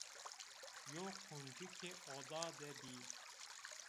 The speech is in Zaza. Yew quncikê oda de bî